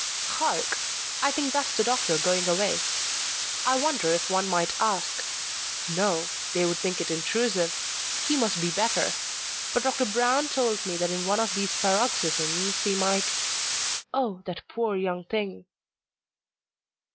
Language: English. "Hark! I think that's the doctor going away. I wonder if one might ask No! they would think it intrusive. He must be better. But Dr. Brown told me that in one of these paroxysms he might Oh, that poor young thing!"